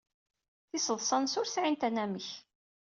Tiseḍsa-nnes ur sɛint anamek.